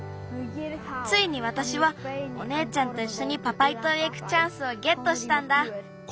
ついにわたしはおねえちゃんといっしょにパパイとうへいくチャンスをゲットしたんだ。